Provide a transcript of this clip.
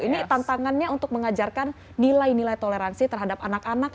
ini tantangannya untuk mengajarkan nilai nilai toleransi terhadap anak anak